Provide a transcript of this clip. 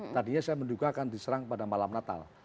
tadinya saya menduga akan diserang pada malam natal